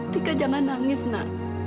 tika jangan nangis nak